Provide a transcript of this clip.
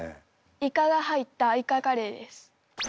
イカが入ったイカカレーです。